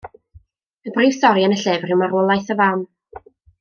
Y brif stori yn y llyfr yw marwolaeth y fam.